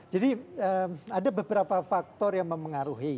ada beberapa faktor yang memengaruhi